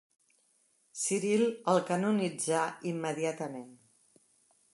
Ciril el canonitzà immediatament.